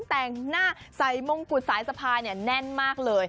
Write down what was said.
แต่งหน้าใส่มงกุฎสายสะพายแน่นมากเลย